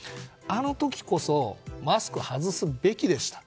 あの時こそマスクを外すべきでした。